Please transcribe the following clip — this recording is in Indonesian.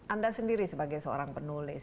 anda sendiri sebagai seorang penulis